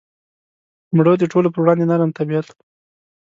مړه د ټولو پر وړاندې نرم طبیعت وه